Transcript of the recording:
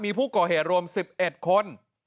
มีผู้ก่อเหตุรวม๑๑คน